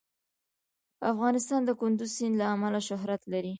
افغانستان د کندز سیند له امله شهرت لري.